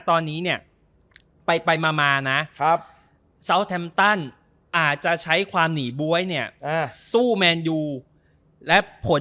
ตอนนี้เนี่ยไปมานะซาวแทมตันอาจจะใช้ความหนีบ๊วยเนี่ยสู้แมนยูและผล